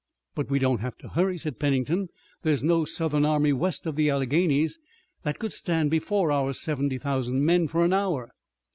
"But we don't have to hurry," said Pennington. "There's no Southern army west of the Alleghanies that could stand before our seventy thousand men for an hour."